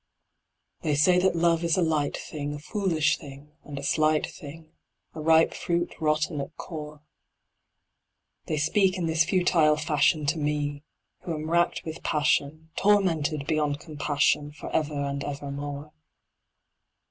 They say that Love is a light thing, A foolish thing and a slight thing, A ripe fruit, rotten at core; They speak in this futile fashion To me, who am wracked with passion, Tormented beyond compassion, For ever and ever more.